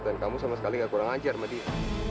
dan kamu sama sekali enggak kurang ajar sama dia